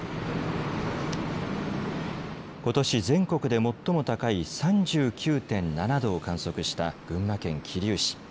ことし全国で最も高い３９．７度を観測した群馬県桐生市。